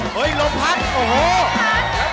ครบหรือยัง